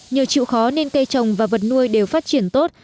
nhờ chịu khó nên cây trồng và vật nuôi đều phát triển tốt